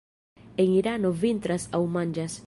En Irano vintras aŭ manĝas.